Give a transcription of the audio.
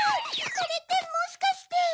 これってもしかして。